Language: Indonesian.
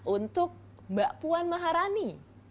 untuk mbak puan maharani